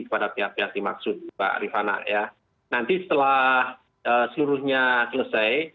kepada pihak pihak dimaksud mbak rifana ya nanti setelah seluruhnya selesai